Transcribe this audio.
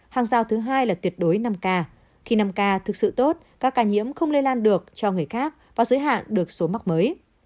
hàng giao thứ hai là tuyệt đối năm k khi năm ca thực sự tốt các ca nhiễm không lây lan được cho người khác và giới hạn được số mắc mới